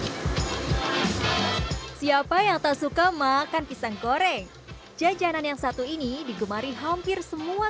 hai siapa yang tak suka makan pisang goreng jajanan yang satu ini digemari hampir semua